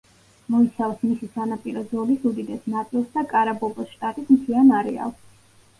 მოიცავს მისი სანაპირო ზოლის უდიდეს ნაწილს და კარაბობოს შტატის მთიან არეალს.